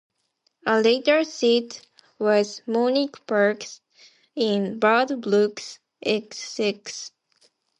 A later seat was Moyns Park in Birdbrook, Essex.